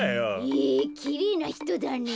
へえきれいなひとだね。